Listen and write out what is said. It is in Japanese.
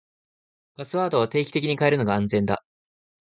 パスワードは定期的に変えるのが安全だ。